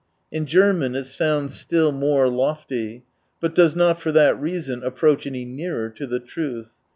In German it sounds still more lofty : but does not for that reason approach any nearer to the truth.